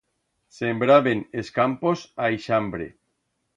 Sembraben es campos a ixambre.